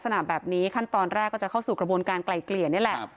แต่ที่เขาทำไมไม่เปิดคลิปไหล่แล้ว